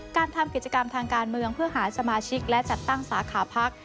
การทำกิจกรรมทางการเมืองเพื่อหาสมาชิกและจัดตั้งสาขาพัก